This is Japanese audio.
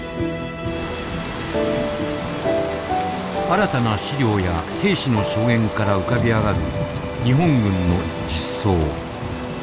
新たな資料や兵士の証言から浮かび上がる日本軍の実相。